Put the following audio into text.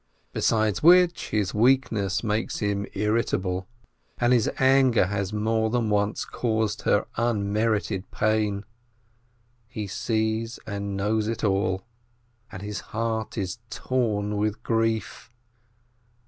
Besides which, his weak ness makes him irritable, and his anger has more than once caused her unmerited pain. He sees and knows it all, and his heart is torn with grief.